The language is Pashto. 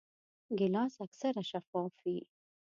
ګیلاس اکثره شفاف وي.